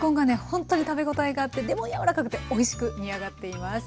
ほんとに食べ応えがあってでも柔らかくておいしく煮上がっています。